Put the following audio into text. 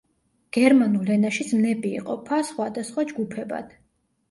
გერმანულ ენაში ზმნები იყოფა სხვადასხვა ჯგუფებად.